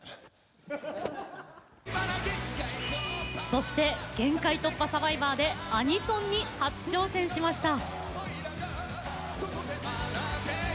そして「限界突破×サバイバー」でアニソンに初挑戦しました。